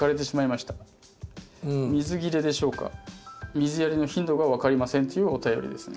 「水やりの頻度が分かりません」というお便りですね。